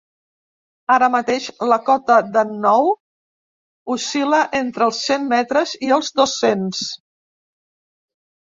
Ara mateix la cota de nou oscil·la entre els cent metres i els dos-cents.